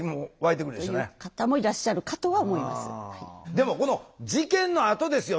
でもこの事件のあとですよ